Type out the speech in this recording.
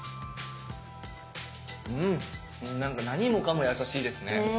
うんなんか何もかも優しいですね。